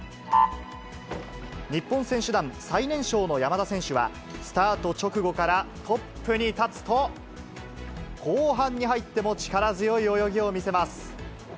日本選手団最年少の山田選手は、スタート直後からトップに立つと、後半に入っても力強い泳ぎを見せます。